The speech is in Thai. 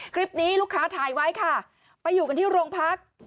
คลิปนี้ลูกค้าถ่ายไว้ค่ะไปอยู่กันที่โรงพัก